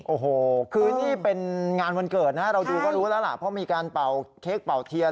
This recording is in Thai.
โอ้โหคือนี่เป็นงานวันเกิดนะเราดูก็รู้แล้วล่ะเพราะมีการเป่าเค้กเป่าเทียน